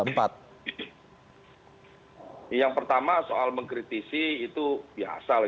yang pertama soal mengkritisi itu biasa